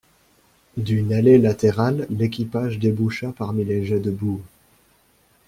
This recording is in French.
D'une allée latérale l'équipage déboucha parmi les jets de boue.